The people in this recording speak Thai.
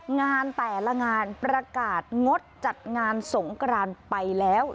งานแต่ละงานประกาศงดจัดงานสงกรานไปแล้ว